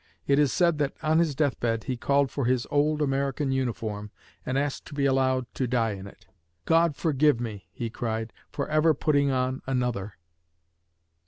It is said that, on his death bed, he called for his old American uniform and asked to be allowed to die in it. "God forgive me," he cried, "for ever putting on another!"